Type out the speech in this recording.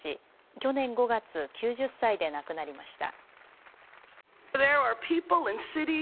去年５月、９０歳で亡くなりました。